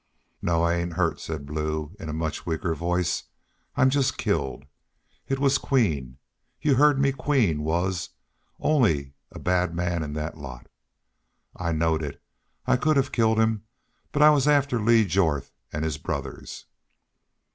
"No, I ain't hurt," said Blue, in a much weaker voice. "I'm jest killed! ... It was Queen! ... Y'u all heerd me Queen was only bad man in that lot. I knowed it.... I could hev killed him.... But I was after Lee Jorth an' his brothers...."